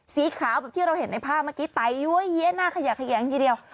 สีขาวที่เราเห็นในภาพเมื่อกี้ไต้เยี่ยนหน้าขยะอย่างเดียว